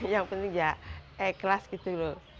yang penting ya ikhlas gitu loh